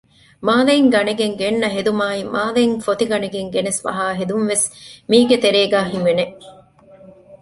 މާލެއިން ގަނެގެން ގެންނަ ހެދުމާއި މާލެއިން ފޮތި ގަނެގެން ގެނެސް ފަހާ ހެދުންވެސް މީގެ ތެރޭގައި ހިމެނެ